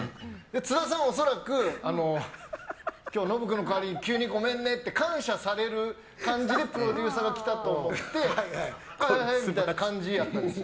津田さんは恐らくノブ君の代わりに急にごめんねって感謝される感じでプロデューサーが来たと思ってはいはいっていう感じだったんです。